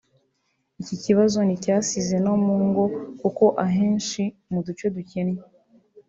Icyo kibazo nticyasize no mu ngo kuko ahenshi mu duce dukennye